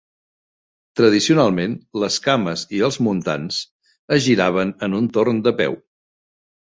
Tradicionalment, les cames i els muntants es giraven en un torn de peu.